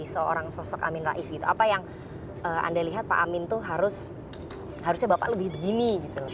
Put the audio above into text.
seorang sosok amin rais gitu apa yang anda lihat pak amin tuh harusnya bapak lebih begini gitu